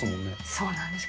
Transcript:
そうなんです。